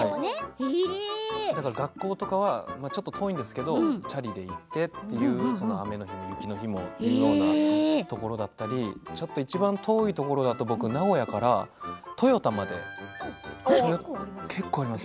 学校とかはちょっと遠いんですけどチャリで行ってみたいな雨の日も雪の日も行くようなところだったりいちばん遠いところだと僕名古屋から豊田まで結構あります。